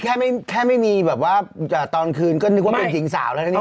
แค่ไม่มีแบบว่าตอนคืนก็นึกว่าเป็นหญิงสาวแล้วนะเนี่ย